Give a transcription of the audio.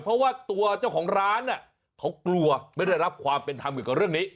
เพราะว่าตัวเจ้าของร้านเขากลัวไม่ได้รับความเป็นธรรมเกี่ยวกับเรื่องนี้